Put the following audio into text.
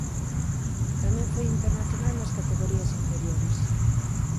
Tamén foi internacional nas categorías inferiores.